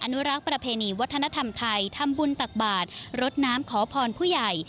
อุรักษ์ประเพณีวัฒนธรรมไทยทำบุญตักบาทรดน้ำขอพรผู้ใหญ่